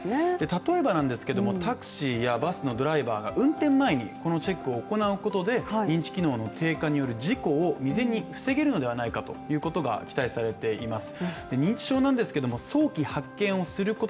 例えばなんですけども、タクシーやバスのドライバーが運転前にこのチェックを行うことで認知機能の低下による事故を未然に防げるのではないかと期待されています。